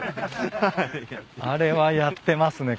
あれはやってますね